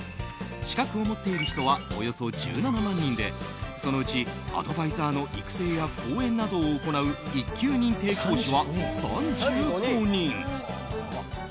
資格を持っている人はおよそ１７万人でそのうちアドバイザーの育成や講演などを行う１級認定講師は３５人。